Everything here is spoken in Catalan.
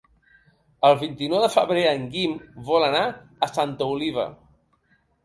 El vint-i-nou de febrer en Guim vol anar a Santa Oliva.